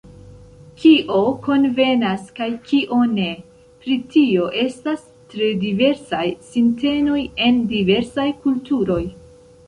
Kio konvenas kaj kio ne, pri tio estas tre diversaj sintenoj en diversaj kulturoj.